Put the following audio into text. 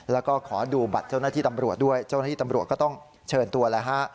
แล้วก็ขอดูบัตรเจ้าหน้าที่ตำรวจด้วยเจ้าหน้าที่ตำรวจก็ต้องเชิญตัวแล้วฮะ